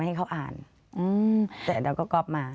แต่เราก็ก๊อบมา